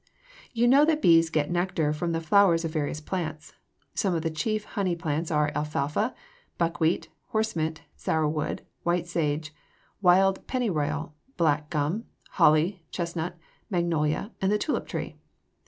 You know that the bees get nectar from the flowers of various plants. Some of the chief honey plants are alfalfa, buckwheat, horsemint, sourwood, white sage, wild pennyroyal, black gum, holly, chestnut, magnolia, and the tulip tree.